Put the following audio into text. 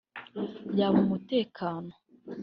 yaba umutekano